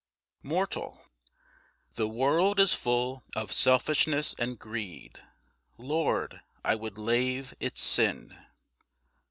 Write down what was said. Mortal. THE world is full of selfishness and greed. Lord, I would lave its sin.